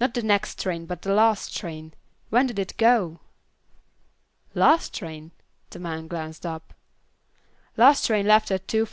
"Not the next train, but the last train. When did it go?" "Last train!" the man glanced up. "Last train left at 2:15."